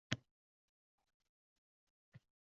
“Barselona” qiyin g‘alabani qo‘lga kiritdi